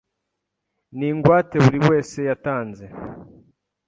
n ingwate buri wese yatanze